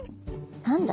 何だ？